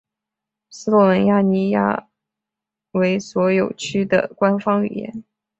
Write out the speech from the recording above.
斯洛文尼亚语为所有区的官方语言。